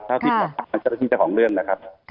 ถ้าที่ตรวจสอบมันก็จะเป็นเจ้าของเรื่องนะครับ